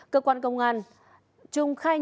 cơ quan công an trung khai trọng